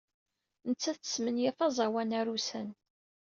Nettat tesmenyaf aẓawan arusan.